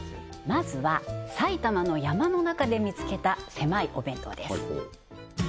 まずは埼玉の山の中で見つけたせまいお弁当です